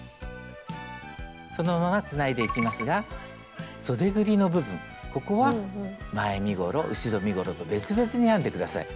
そのままつないでいきますがそでぐりの部分ここは前身ごろ後ろ身ごろと別々に編んで下さい。